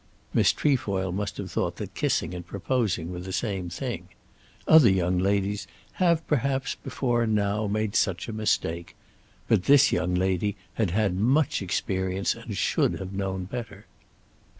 Miss Trefoil must have thought that kissing and proposing were the same thing. Other young ladies have, perhaps, before now made such a mistake. But this young lady had had much experience and should have known better.